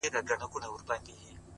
• توره شپه يې سوله جوړه پر چشمانو,